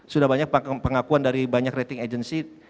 sudah banyak pengakuan dari banyak rating agency